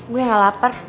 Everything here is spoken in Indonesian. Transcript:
gue gak lapar